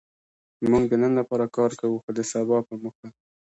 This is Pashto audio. موږ د نن لپاره کار کوو؛ خو د سبا په موخه.